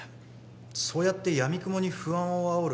そうやってやみくもに不安をあおる